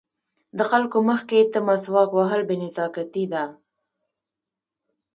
د خلکو مخې ته مسواک وهل بې نزاکتي ده.